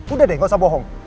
udah deh nggak usah bohong